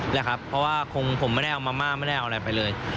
นะครับเพราะว่าคงผมไม่ได้เอามาม่าไม่ได้เอาอะไรไปเลย